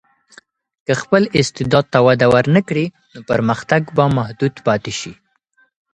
که خپل استعداد ته وده ورنکړې، نو پرمختګ به محدود پاتې شي.